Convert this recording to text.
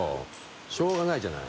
しょうがないじゃない。